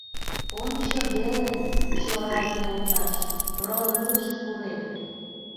Ончо веле, Чорай йолташ, прорывыш пурет...